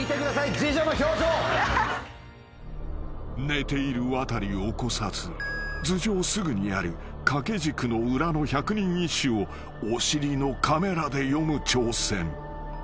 ［寝ているワタリを起こさず頭上すぐにある掛け軸の裏の百人一首をお尻のカメラで詠む挑戦］